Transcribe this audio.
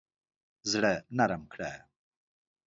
زړه نرم کړه.